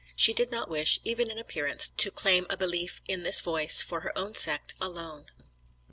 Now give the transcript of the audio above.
She did not wish, even in appearance, to claim a belief in this voice for her own sect alone.